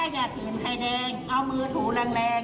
ถ้าอยากหินไข่แดงเอามือถูงแรง